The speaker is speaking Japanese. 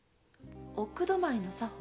奥泊まりの作法？